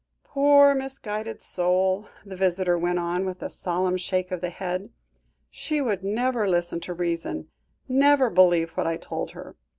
"Poor, misguided soul," the visitor went on, with a solemn shake of the head; "she would never listen to reason; never believe what I told her.